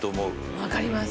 分かります。